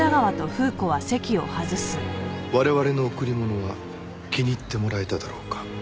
「我々の贈り物は気に入ってもらえただろうか」。